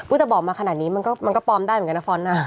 แต่บอกมาขนาดนี้มันก็ปลอมได้เหมือนกันนะฟ้อนนะ